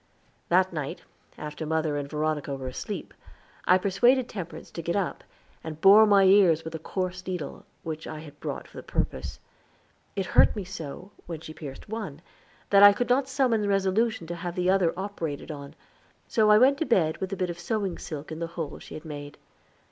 That night, after mother and Veronica were asleep, I persuaded Temperance to get up, and bore my ears with a coarse needle, which I had bought for the purpose. It hurt me so, when she pierced one, that I could not summon resolution to have the other operated on; so I went to bed with a bit of sewing silk in the hole she had made.